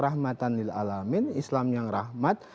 rahmatan lil'alamin islam yang rahmat